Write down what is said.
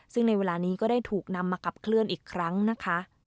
ซึ่งในเวลานี้ก็ได้ถูกนำมาขับเคลื่อนอีกครั้งนะคะ